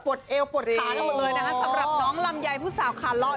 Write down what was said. ปวดเอวปวดขาทั้งทั้งหมดเลยนะคะสำหรับน้องลำไยผู้สาวขาเลาะ